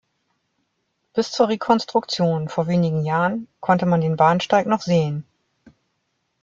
Bis zur Rekonstruktion vor wenigen Jahren konnte man den Bahnsteig noch sehen.